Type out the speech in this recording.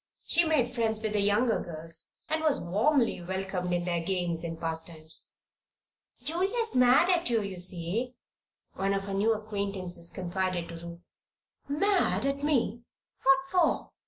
She made friends with the younger girls and was warmly welcomed in their games and pastimes. "Julia's mad at you, you see," one of her new acquaintances confided to Ruth. "Mad at me? What for?"